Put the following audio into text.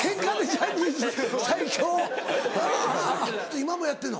今もやってるの？